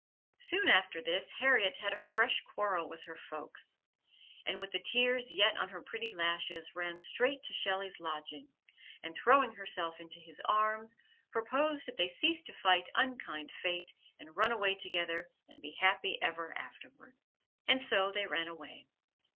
Soon after this Harriet had a fresh quarrel with her folks; and with the tears yet on her pretty lashes ran straight to Shelley's lodging and throwing herself into his arms proposed that they cease to fight unkind Fate, and run away together and be happy ever afterward. And so they ran away.